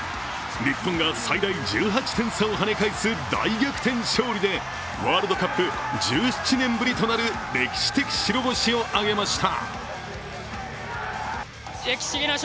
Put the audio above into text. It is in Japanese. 日本が最大１８点差をはね返す大逆転勝利でワールドカップ、１７年ぶりとなる歴史的白星を挙げました。